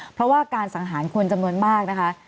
เพราะว่าการสังหารคนจำนวนมากนะคะ